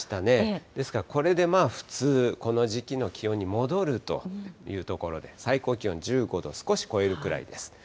ですからこれで普通、この時期の気温に戻るというところで、最高気温１５度少し超えるくらいです。